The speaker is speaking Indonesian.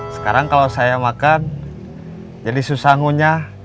sekarang kalau saya makan jadi susah ngunyah